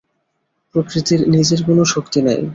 প্রকৃতির নিজের কোন শক্তি নাই।